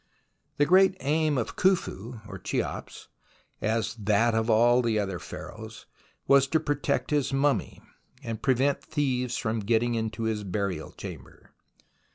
The great aim of Khufu, or Cheops, as that of all the other Pharaohs, was to protect his mummy, and prevent thieves getting into his burial chamber.